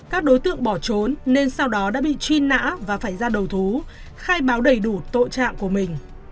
các đối tượng bỏ trốn nên sau đó đã bị truy nã và phải ra đầu thú khai báo đầy đủ tội trạng của mình